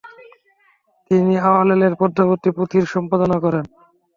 তিনি আলাওলের "পদ্মাবতী"পুথির সম্পাদনা করেন।